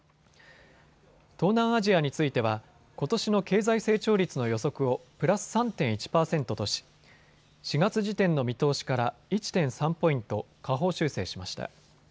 東南アジアについてはことしの経済成長率の予測をプラス３．１％とし、４月時点の見通しから１．３ポイント下方修正しました。